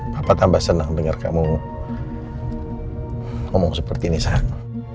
papa tambah senang denger kamu ngomong seperti ini sang